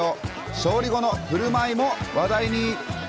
勝利後のふるまいも話題に。